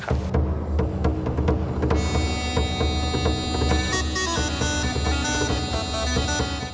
ครับผมได้เลยค่ะ